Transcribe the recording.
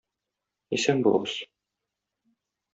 Исән булыгыз.